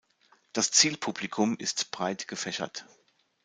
Das Zielpublikum ist breit gefächert.